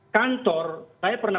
kantor saya pernah